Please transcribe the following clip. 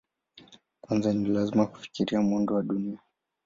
Kwanza ni lazima kufikiria muundo wa Dunia.